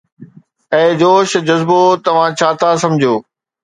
اي جوش جذبو! توهان ڇا ٿا سمجهو؟